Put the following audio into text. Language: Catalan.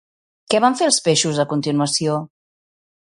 Què van fer els peixos, a continuació?